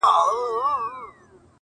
چي دي شراب; له خپل نعمته ناروا بلله;